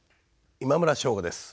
今村翔吾です。